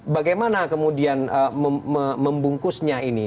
bagaimana kemudian membungkusnya ini